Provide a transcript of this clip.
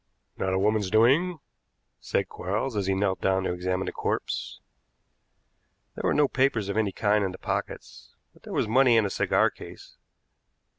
"Not a woman's doing," said Quarles as he knelt down to examine the corpse. There were no papers of any kind in the pockets, but there was money and a cigar case.